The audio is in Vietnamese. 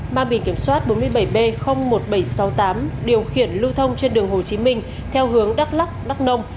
mang bì kiểm soát bốn mươi bảy b một nghìn bảy trăm sáu mươi tám điều khiển lưu thông trên đường hồ chí minh theo hướng đắk lắc đắk nông